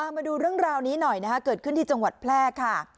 มาดูเรื่องราวนี้หน่อยนะคะเกิดขึ้นที่จังหวัดแพร่ค่ะ